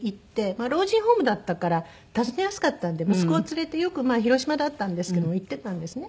老人ホームだったから訪ねやすかったんで息子を連れてよくまあ広島だったんですけども行ってたんですね。